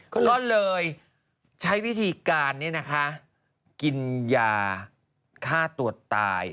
ก็เลยใช้วิธีการนี้นะคะกินยาฆ่าตัวตาย